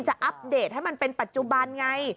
อัปเดตให้มันเป็นปัจจุบันไง